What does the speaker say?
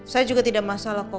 saya juga tidak masalah kok